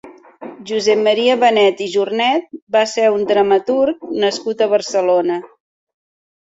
Josep Maria Benet i Jornet va ser un dramaturg nascut a Barcelona.